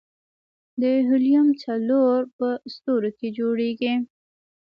د هیلیم څلور په ستورو کې جوړېږي.